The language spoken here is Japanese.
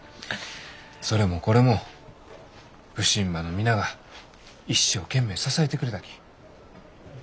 それもこれも普請場の皆が一生懸命支えてくれたき。